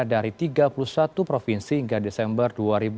dari tiga puluh satu provinsi hingga desember dua ribu dua puluh